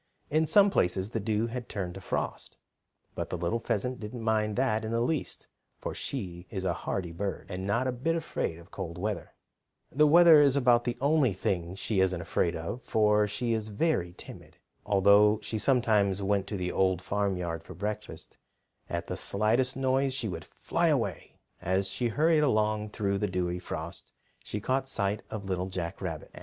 In some places the dew had turned to frost, but the little pheasant didn't mind that in the least, for she is a hardy bird, and not a bit afraid of cold weather. The weather is about the only thing she isn't afraid of, for she is very timid. Although she sometimes went to the Old Farmyard for breakfast, at the slightest noise she would fly away. As she hurried along through the dewy frost she caught sight of Little Jack Rabbit.